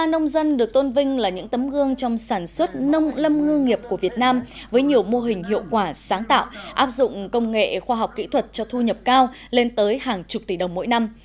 ba mươi nông dân được tôn vinh là những tấm gương trong sản xuất nông lâm ngư nghiệp của việt nam với nhiều mô hình hiệu quả sáng tạo áp dụng công nghệ khoa học kỹ thuật cho thu nhập cao lên tới hàng chục tỷ đồng mỗi năm